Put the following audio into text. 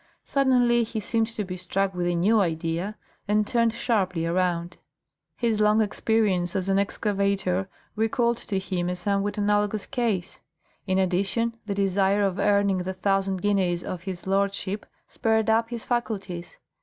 Suddenly he seemed to be struck with a new idea, and turned sharply around. His long experience as an excavator recalled to him a somewhat analogous case. In addition, the desire of earning the thousand guineas of his lordship spurred up his faculties.